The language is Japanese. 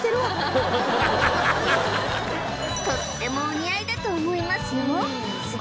とってもお似合いだと思いますよ